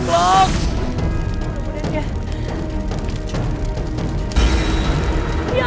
aduh mudah mudahan ya